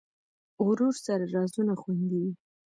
ورور سره رازونه خوندي وي.